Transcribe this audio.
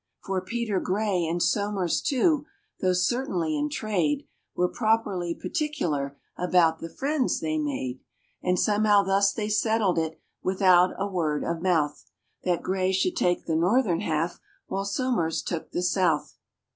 For PETER GRAY, and SOMERS too, though certainly in trade, Were properly particular about the friends they made; And somehow thus they settled it without a word of mouth That GRAY should take the northern half, while SOMERS took the south.